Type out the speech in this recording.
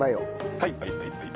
はい。